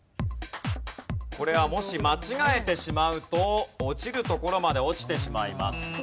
これはもし間違えてしまうと落ちるところまで落ちてしまいます。